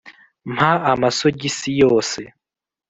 mpa amasogisi yose